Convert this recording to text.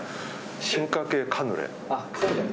進化系カヌレ。